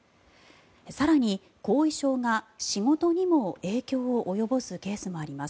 更に、後遺症が仕事にも影響を及ぼすケースもあります。